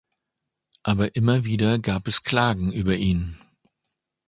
Aber immer wieder gab es Klagen über ihn.